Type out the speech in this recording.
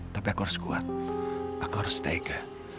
tapi aku harus kuat aku harus stayca